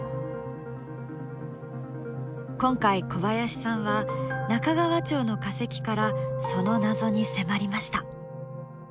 今回小林さんは中川町の化石からその謎に迫りました。